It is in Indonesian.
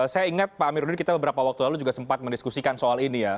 saya ingat pak amiruddin kita beberapa waktu lalu juga sempat mendiskusikan soal ini ya